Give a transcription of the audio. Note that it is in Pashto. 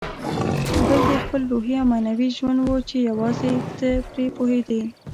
بل دې خپل روحي او معنوي ژوند و چې یوازې ته پرې پوهېدې.